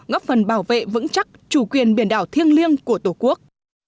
góp phần bảo vệ vững chắc chủ quyền biển đảo thiêng liêng của tổ quốc